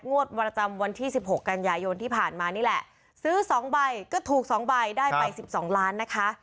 งวดวัตรจำวันที่สิบหกกันยายนที่ผ่านมานี่แหละซื้อสองใบก็ถูกสองใบได้ไปสิบสองล้านนะคะ